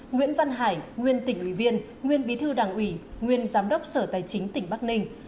nguyễn văn hải nguyên tỉnh ủy viên nguyên bí thư đảng ủy nguyên giám đốc sở tài chính tỉnh bắc ninh